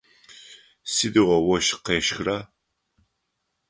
Сыдигъо ощх къещхра?